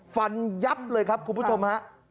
ฟันยับเลยครับคุณผู้ชม